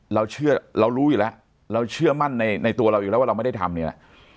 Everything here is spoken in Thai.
เราเชื่อเรารู้อยู่แล้วเราเชื่อมั่นในตัวเราอยู่แล้วว่าเราไม่ได้ทำเนี่ยนะ